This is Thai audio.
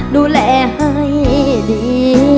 ดูแลให้ดี